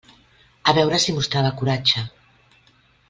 A veure si mostrava coratge.